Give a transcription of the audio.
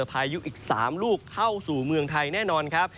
พายุอีก๓ลูกเข้าสู่เมืองไทยแน่นอนครับ